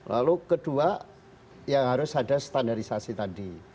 lalu kedua yang harus ada standarisasi tadi